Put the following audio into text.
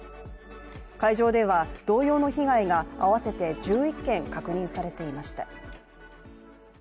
会場では、同様の被害が合わせて１１件確認されていました。